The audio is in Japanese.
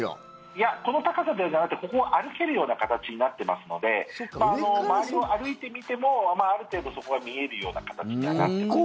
いや、この高さではなくてここは歩けるような形になってますので周りを歩いてみてもある程度、そこが見えるような形にはなっていますね。